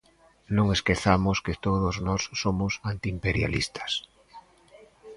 Non esquezamos que todos nós somos antiimperialistas.